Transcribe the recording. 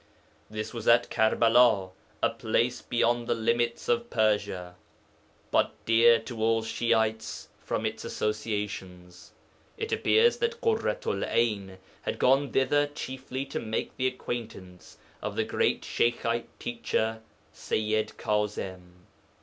This was at Karbala, a place beyond the limits of Persia, but dear to all Shi'ites from its associations. It appears that Ḳurratu'l 'Ayn had gone thither chiefly to make the acquaintance of the great Sheykhite teacher, Sayyid Kaẓim.